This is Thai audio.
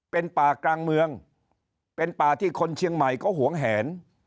เป็นป่ากลางเมืองเป็นป่าที่คนเชียงใหม่ก็หวงแหน